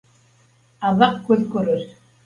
Аҙаҡ күҙ күрер